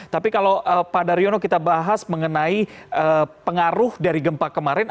tapi kalau pak daryono kita bahas mengenai pengaruh dari gempa kemarin